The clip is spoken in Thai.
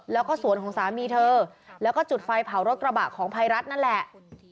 แล้วก็สวนของสามีเธอแล้วก็จุดไฟเผารถกระบะของภัยรัฐนั่นแหละ